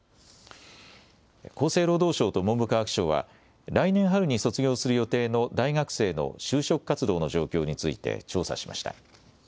厚生労働省と文部科学省は来年春に卒業する予定の大学生の就職活動の状況について調査しました。